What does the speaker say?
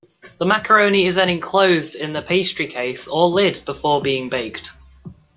The macaroni is then enclosed in a pastry case or lid before being baked.